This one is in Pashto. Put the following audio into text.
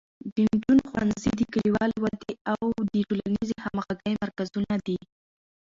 د نجونو ښوونځي د کلیوالو ودې او د ټولنیزې همغږۍ مرکزونه دي.